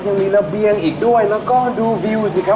ยังมีระเบียงอีกด้วยแล้วก็ดูวิวสิครับ